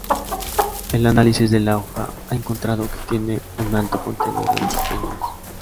El análisis de la hoja ha encontrado que tiene un alto contenido de proteínas.